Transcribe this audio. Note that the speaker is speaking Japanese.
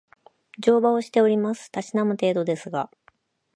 乗馬をしております。たしなむ程度ですが